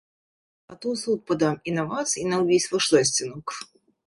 А то ў суд падам і на вас і на ўвесь ваш засценак.